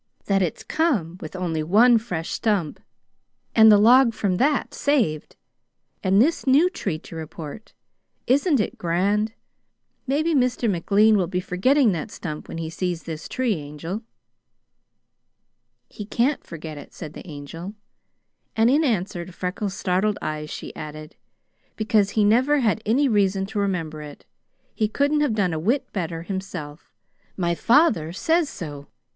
That it's come with only one fresh stump, and the log from that saved, and this new tree to report, isn't it grand? Maybe Mr. McLean will be forgetting that stump when he sees this tree, Angel!" "He can't forget it," said the Angel; and in answer to Freckles' startled eyes she added, "because he never had any reason to remember it. He couldn't have done a whit better himself. My father says so.